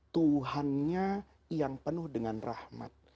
tuhannya yang penuh dengan rahmat